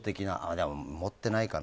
でも持ってないかな。